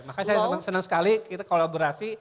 makanya saya senang sekali kita kolaborasi